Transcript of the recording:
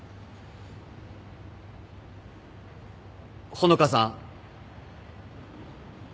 穂香さん。